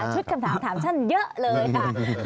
ชุดคำถามถามท่านเยอะเลยค่ะ